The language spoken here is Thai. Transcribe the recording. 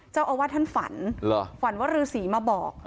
เจ้าอาวัสด์ท่านฝันวันวฤษีมาบอก